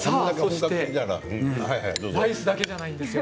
ライスだけじゃないんですよ。